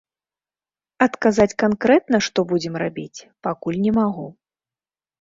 Адказаць канкрэтна, што будзем рабіць, пакуль не магу.